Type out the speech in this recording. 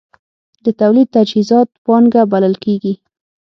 د تولید تجهیزات پانګه بلل کېږي.